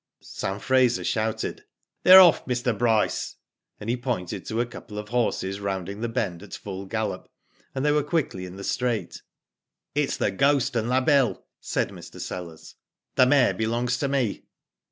Sam Fraser shouted : "They're off, Mr. Bryce," and he pointed to a couple of horses rounding the bend at full gallop, and they were quickly in the straight. It's The Ghost and La Belle," said Mr. Sellers. " The mare belongs to me."